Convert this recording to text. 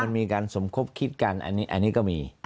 มันมีการสมคบคิดกันอันนี้ก็มี